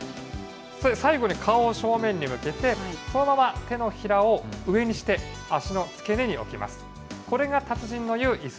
最後に、顔を正面に向けて、そのまま手のひらを上にして足の付け根に置きます。